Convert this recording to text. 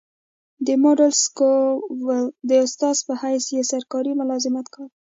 دمډل سکول د استاذ پۀ حيث ئي سرکاري ملازمت کولو